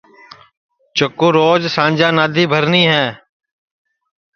چکُو روج سانجا نادی بھرنی ہے